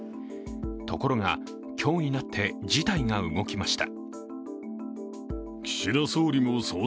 ところが今日になって事態が動きました。